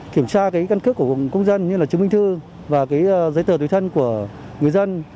kiểm tra căn cứ của công dân như là chứng minh thư và giấy tờ tùy thân của người dân